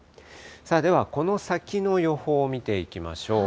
ではこの先の予報見ていきましょう。